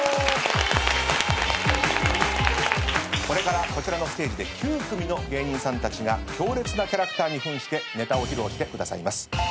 これからこちらのステージで９組の芸人さんたちが強烈なキャラクターに扮してネタを披露してくださいます。